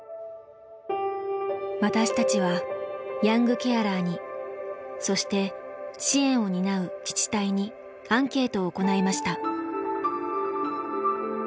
私たちはヤングケアラーにそして支援を担う自治体にアンケートを行いました。